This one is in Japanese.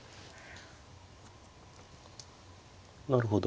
なるほど。